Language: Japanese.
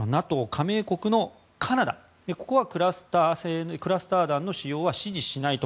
加盟国のカナダここはクラスター弾の使用は支持しないと。